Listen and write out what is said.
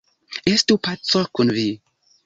Estu paco kun vi!